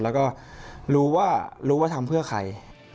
แล้วก็รู้ว่าทำเพื่อใคร